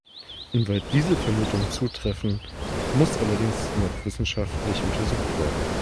Inwieweit diese Vermutungen zutreffen, muss allerdings noch wissenschaftlich untersucht werden.